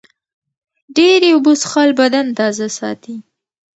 ډېرې اوبه څښل بدن تازه ساتي.